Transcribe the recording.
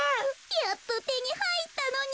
やっとてにはいったのに。